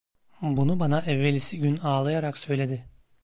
Bunu bana evvelisi gün ağlayarak söyledi.